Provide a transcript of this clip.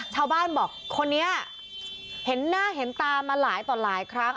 ชาวบ้านบอกคนนี้เห็นหน้าเห็นตามาหลายต่อหลายครั้ง